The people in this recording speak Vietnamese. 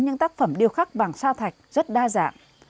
các phẩm điêu khắc vàng sao thạch rất đa dạng